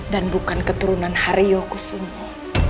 dan bukan keturunan hari yukusumu